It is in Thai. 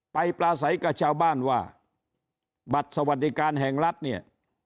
ปลาใสกับชาวบ้านว่าบัตรสวัสดิการแห่งรัฐเนี่ย